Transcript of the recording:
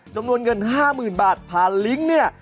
จำนวนเงิน๕๐๐๐บาทผ่านลิงก์เนี่ย